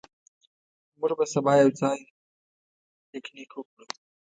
موږ به سبا یو ځای پکنیک وکړو.